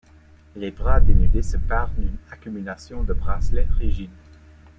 Les bras dénudés se parent d’une accumulation de bracelets rigides.